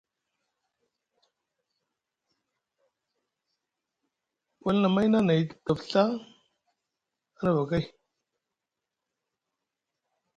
Wala na mayni anay daf Ɵa a nafa kay.